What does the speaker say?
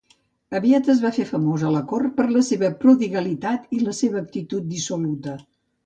Aviat es va fer famós a la cort per la seva prodigalitat i la seva actitud dissoluta.